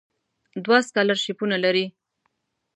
دوی سکالرشیپونه لري.